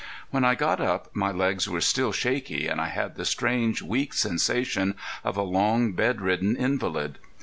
When I got up my legs were still shaky and I had the strange, weak sensation of a long bed ridden invalid.